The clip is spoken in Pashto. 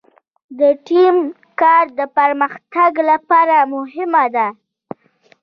د ټیم کار د پرمختګ لپاره مهم دی.